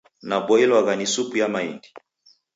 Naboilwagha ni supu ya maindi.